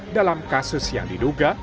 dalam kasus yang diduga